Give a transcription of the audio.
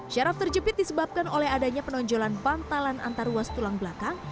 syaraf terjepit disebabkan oleh adanya penonjolan bantalan antaruas tulang belakang